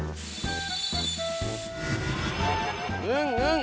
うんうん！